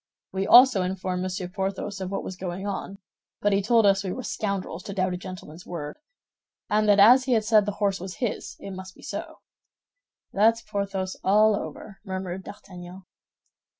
We also informed Monsieur Porthos of what was going on; but he told us we were scoundrels to doubt a gentleman's word, and that as he had said the horse was his, it must be so." "That's Porthos all over," murmured D'Artagnan.